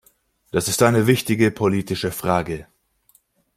Das ist eine wichtige politische Frage.